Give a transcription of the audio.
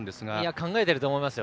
考えていると思いますよ。